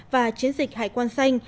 và chiến dịch hải quan xanh